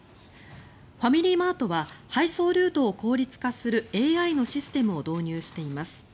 ファミリーマートは配送ルートを効率化するＡＩのシステムを導入しています。